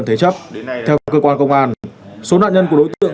thủ tục thì đơn giản không phải qua ngân hàng lệ phí thì rẻ